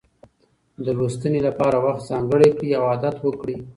د لوستنې لپاره وخت ځانګړی کړئ او عادت وکړئ.